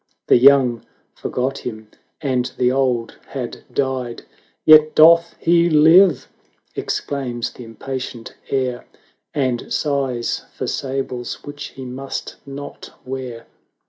The young forgot him, and the old had died; "Yet doth he live!" exclaims the im patient heir, And sighs for sables which he must not wear.